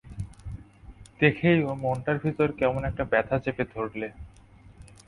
দেখেই ওর মনটার ভিতর কেমন একটা ব্যথা চেপে ধরলে।